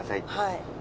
はい。